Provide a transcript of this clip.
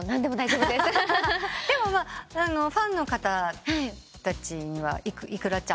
でもファンの方たちにはｉｋｕｒａちゃん？